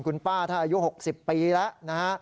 คุณป้าถ้ายุ่ง๖๐ปีแล้วนะฮะ